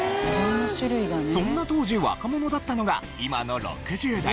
そんな当時若者だったのが今の６０代。